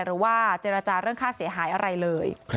หรือว่าเจรจาเรื่องค่าเสียหายอะไรเลย